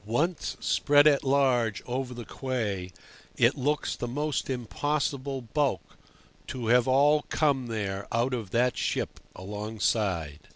Once spread at large over the quay, it looks the most impossible bulk to have all come there out of that ship alongside.